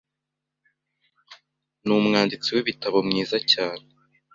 Ni umwanditsi w'ibitabo mwiza cyane